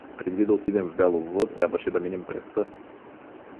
Преди да отидем в Белово, трябваше да минем през с.